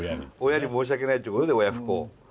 親に申し訳ないってことで親不孝。